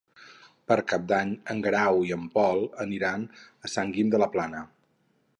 Per Cap d'Any en Guerau i en Pol aniran a Sant Guim de la Plana.